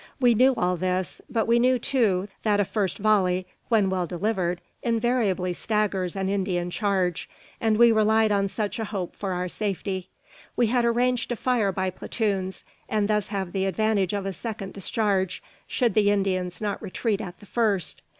We knew all this; but we knew, too, that a first volley, when well delivered, invariably staggers an Indian charge, and we relied on such a hope for our safety. We had arranged to fire by platoons, and thus have the advantage of a second discharge, should the Indians not retreat at the first.